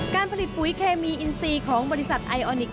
การผลิตปุ๋ยเคมีอินซีของบริษัทไอออนิค